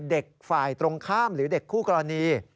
ฝ่ายตรงข้ามหรือเด็กคู่กรณี